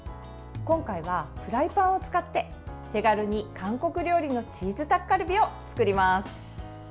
今回はフライパンを使って手軽に韓国料理のチーズタッカルビを作ります。